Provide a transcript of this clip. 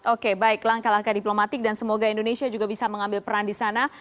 oke baik langkah langkah diplomatik dan semoga indonesia juga bisa mengambil peran di sana